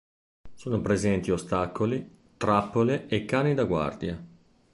Sono presenti ostacoli, trappole e cani da guardia.